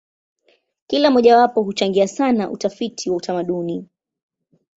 Kila mojawapo huchangia sana utafiti wa utamaduni.